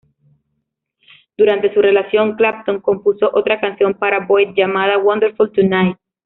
Durante su relación, Clapton compuso otra canción para Boyd llamada "Wonderful Tonight".